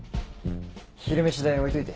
昼飯代置いといて。